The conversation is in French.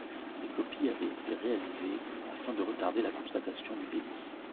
Des copies avaient été réalisées afin de retarder la constatation du délit.